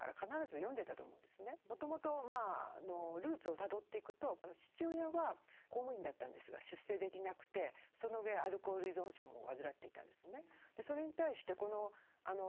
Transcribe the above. もともとルーツをたどっていくと父親は公務員だったんですが出世できなくてその上アルコール依存症も患っていたんですね。